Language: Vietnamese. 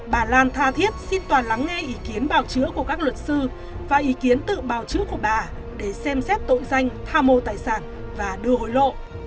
bà lan tha thiết xin toàn lắng nghe ý kiến bào chữa của các luật sư và ý kiến tự bào chữa của bà để xem xét tội danh tha mô tài sản và đưa hối lộ